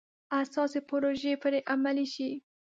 اساسي پروژې پرې عملي شي.